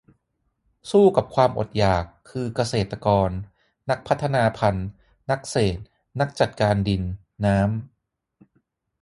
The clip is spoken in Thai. สู้กับความอดอยาก คือเกษตรกร นักพัฒนาพันธุ์ นักเศรษฐ์ นักจัดการดิน-น้ำ